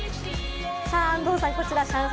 安藤さん、こちら上海